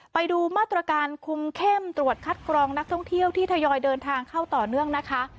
ไปดูมาตรการคุมเข้มตรวจคัดกรองนักท่องเที่ยวที่ทยอยเดินทางเข้าต่อเนื่องนะคะ